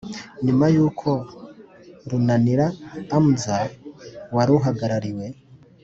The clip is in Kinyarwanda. nyuma y’uko runanira amza wari uhagarariwe